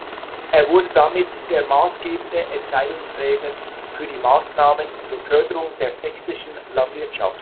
Er wurde damit der maßgebende Entscheidungsträger für die Maßnahmen zur Förderung der sächsischen Landwirtschaft.